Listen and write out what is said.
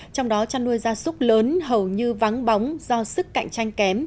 trong đó chăn nuôi gia súc lớn hầu như vắng bóng do sức cạnh tranh kém